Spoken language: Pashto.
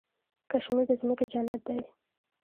کشمیر د ځمکې جنت دی.